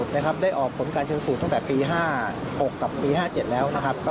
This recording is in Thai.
นะครับ